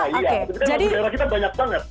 tapi kan lagu daerah kita banyak banget